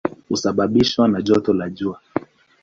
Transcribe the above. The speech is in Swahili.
Husababishwa na joto la jua.